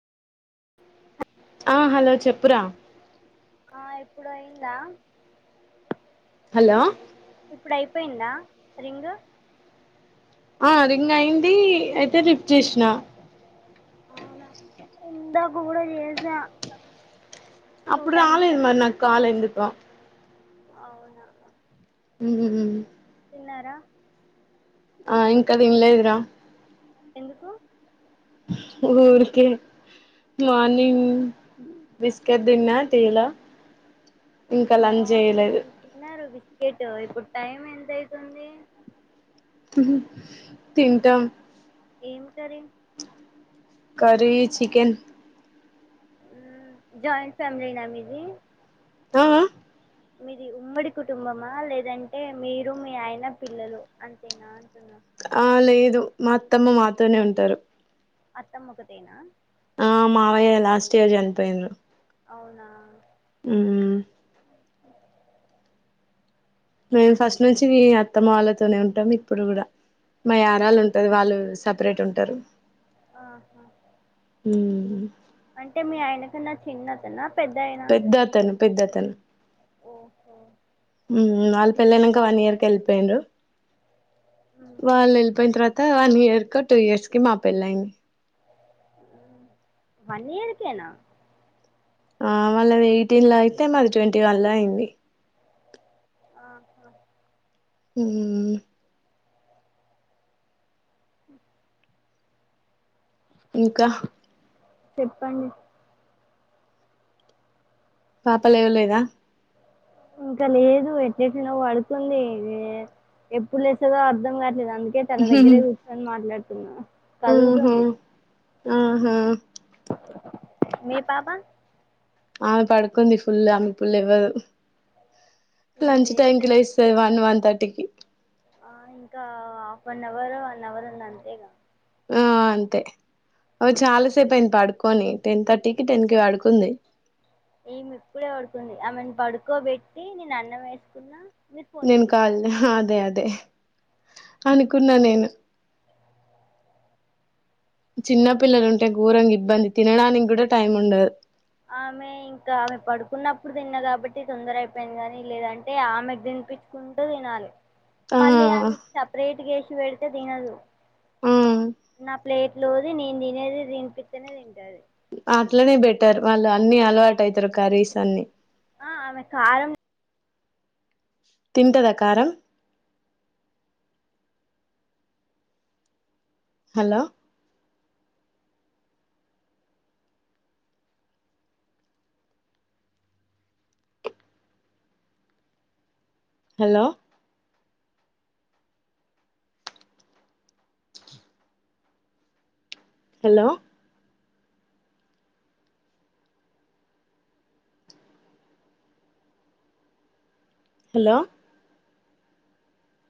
ఆ హలో చెప్పురా ఆ ఇప్పుడు అయిందా హలో ఇప్పుడు అయిపోయిందా రింగ్ ఆ రింగ్ అయింది అయితే లిఫ్ట్ చేసిన అవునా ఇందాక కూడా చేసా టూ అప్పుడు టైమ్స్ రాలేదు మరి నాకు కాల్ ఎందుకో అవునా ఉహు తిన్నారా ఆ ఇంకా తినలేదుర ఎందుకు ఊరికే మార్నింగ్ బిస్కెట్ తిన్నా టీ లో ఇంకా లంచ్ చేయలేదు మార్నింగ్ తిన్నారు బిస్కెట్ ఇప్పుడు టైం ఎంత అవుతుంది తింటాం ఏం కర్రీ కర్రీ చికెన్ జాయింట్ ఫ్యామిలీనా మీది ఆ మీది ఉమ్మడి కుటుంబమా లేదంటే మీరు మీ ఆయన పిల్లలు అంతేనా అంటున్నా ఆ లేదు మా అత్తమ్మ మాతోనే ఉంటారు అత్తమ్మ ఒకటేనా ఆ మావయ్య లాస్ట్ ఇయర్ చనిపోయిరు అవునా ఉ మేము ఫస్ట్ నుంచి అత్తమ్మ వాళ్ళతోనే ఉంటాం ఇప్పుడు కూడా మా ఆరాళు ఉంటది వాళ్ళు సపరేట్ ఉంటారు ఆహా హు అంటే మీ ఆయన కన్నా చిన్నతన పెద్ద అతను పెద్ద తను ఓహో వాళ్ళ పెళ్లయినాక వన్ ఇయర్ కి వెళ్ళిపోయిండు మ్మ్. వాళ్ళ వెళ్ళిపోయిన త త వన్ ఇయర్ కో టూ ఇయర్స్ కో మా పెళ్ళైంది వన్ ఇయర్కేనా ఆ వాళ్ళది ఎయిటీన్ లో అయితే మాది ట్వంటీ వన్ లో అయింది ఆహా ఉ ఉ ఇంకా చెప్పండి పాతవే ఉన్నాయ్ గా ఇంకా లేదు ఎట్లేట్లనో పడుకుంది ఎప్పుడు లేస్తదో అర్ధం కావట్లేదు అందుకే తన దగ్గరే కూర్చొని మాట్లాడుతున్నా ఆహా కదులుతుంది ఆహా మీ పాప ఆమె పడుకుంది ఫుల్ ఆమె పుల్ లెవ్వదు ఈమె లంచ్ టైంకిి లేస్తది లే స్తది వన్ వన్ థర్టీకి ఆ ఇంకా half one hour one hour ఉంది అంతేగా ఆ అంతే ఓ చాలాసేపు అయింది పడుకొని టెన్ థర్టీకి టెన్ కి పడుకుంది ఈమె ఇప్పుడే పడుకుంది ఆమెన్ పడుకోబెట్టి నేను అన్నం వేసుకున్నా మీరు ఫోన్ నేను చేసారు కాల్ అదే అదే అనుకున్నా నేను చిన్న పిల్లలు ఉంటే ఘోరంగా ఇబ్బంది తినడానికి కూడా టైమ్ ఉండదు ఆమె ఇంకా ఆమె పడుకున్నప్పుడు తిన్నా కాబట్టి తొందర అయిపోయింది గాని లేదంటే ఆమెకు తినిపి కుంటూ తినాలి ఆ మళ్ళీ ఆమె సపరేట్గా ఏసి పె డితే తినదు ఆ నా ప్లేట్ లోది నేను తినేది తినిపితేనే తింటది అట్లనే బెటర్ వాళ్ళు అన్ని అలవాటు అవుతారు కర్రీస్ అన్ని ఆ ఆమె కారం తింటద కారం హలో హలో హలో హలో